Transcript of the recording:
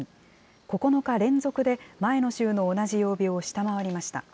９日連続で前の週の同じ曜日を下回りました。